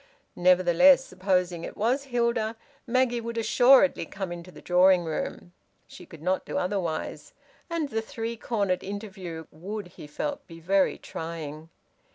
Nevertheless, supposing it was Hilda, Maggie would assuredly come into the drawing room she could not do otherwise and the three cornered interview would, he felt, be very trying.